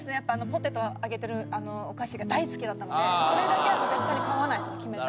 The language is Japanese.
ポテトを揚げてるお菓子が大好きだったのでそれだけは絶対に買わないと決めたりしてました。